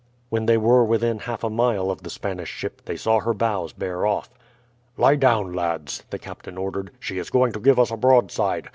When they were within half a mile of the Spanish ship they saw her bows bear off. "Lie down, lads," the captain ordered, "she is going to give us a broadside.